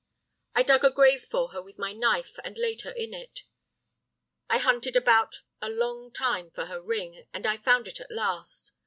I dug a grave for her with my knife and laid her in it. I hunted about a long time for her ring, and I found it at last.